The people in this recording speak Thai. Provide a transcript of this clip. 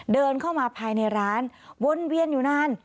เดินเข้ามาภายในร้านวนเวียนอยู่นาน